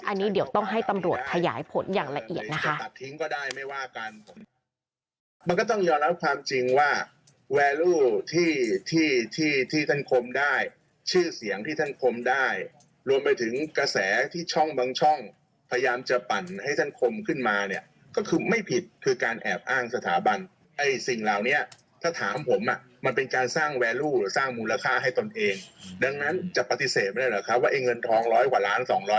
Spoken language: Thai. อันนี้เดี๋ยวต้องให้ตำรวจขยายผลอย่างละเอียดนะคะ